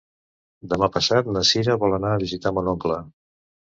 Demà passat na Cira vol anar a visitar mon oncle.